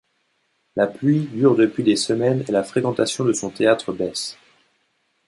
La pluie dure depuis des semaines et la fréquentation de son théâtre baisse.